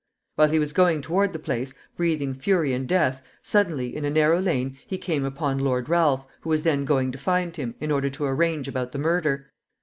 While he was going toward the place, breathing fury and death, suddenly, in a narrow lane, he came upon Lord Ralph, who was then going to find him, in order to arrange about the murder.